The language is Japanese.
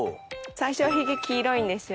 最初はひげ黄色いんですよ。